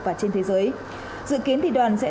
và trên thế giới dự kiến thì đoàn sẽ